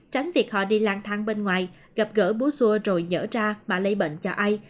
tránh việc họ đi lang thang bên ngoài gặp gỡ bố xua rồi nhỡ ra mà lấy bệnh cho ai